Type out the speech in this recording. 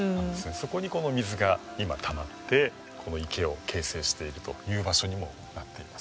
そこにこの水が今たまってこの池を形成しているという場所にもなっています。